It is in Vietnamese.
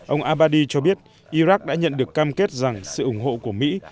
ông al abadi cho biết iraq đã nhận được cam kết rằng sự ủng hộ của mỹ